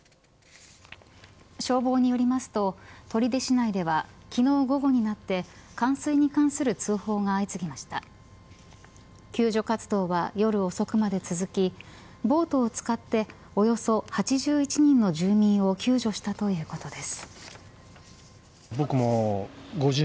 消防によりますと取手市内では昨日午後になって冠水に関する通報が相次ぎました救助活動は夜遅くまで続きボートを使っておよそ８１人の住民を救助したということです。